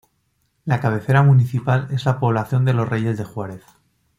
La cabecera municipal es la población de los Reyes de Juárez.